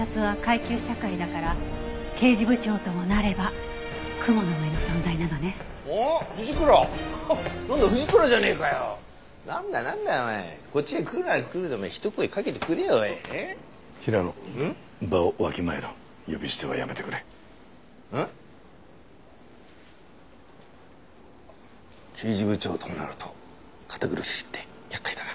刑事部長ともなると堅苦しくてやっかいだな。